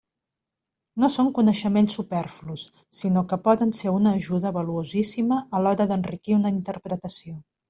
No són coneixements superflus, sinó que poden ser una ajuda valuosíssima a l'hora d'enriquir una interpretació.